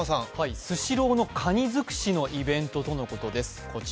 スシローのカニづくしイベントでのことです。